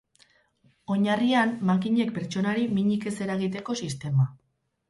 Oinarrian, makinek pertsonari minik ez eragiteko sistema.